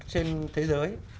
trên thế giới